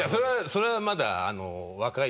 それはまだ。